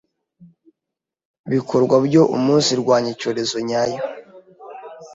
bikorwa byo umunsirwanya Icyorezo nyayo